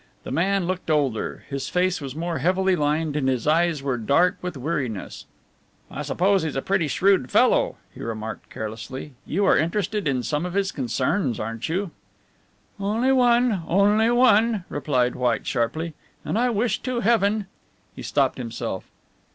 The man looked older, his face was more heavily lined and his eyes were dark with weariness. "I suppose he's a pretty shrewd fellow," he remarked carelessly. "You are interested in some of his concerns, aren't you?" "Only one, only one," replied White sharply, "and I wish to Heaven " He stopped himself.